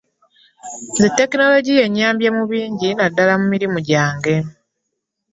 Nze tekinologiya annyambye mu bingi naddala mu mirimu gyange.